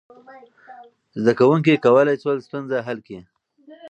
زده کوونکي کولی شول ستونزه حل کړي.